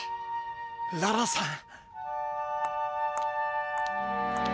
ララさん！